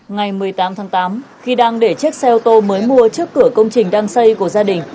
ngày một mươi tám tháng tám khi đang để chiếc xe ô tô mới mua trước cửa công trình đang xây của gia đình